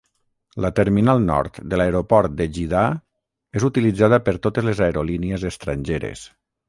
La terminal nord de l'aeroport de Jiddah és utilitzada per totes les aerolínies estrangeres.